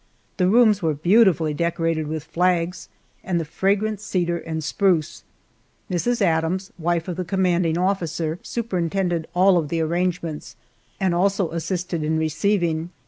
The rooms were beautifully decorated with flags, and the fragrant cedar and spruce. Mrs. Adams, wife of the commanding officer, superintended all of the arrangements and also assisted in receiving.